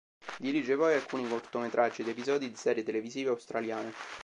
Dirige poi alcuni cortometraggi ed episodi di serie televisive australiane.